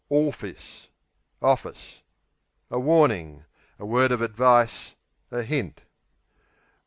Orfis (office) A warning; a word of advice; a hint.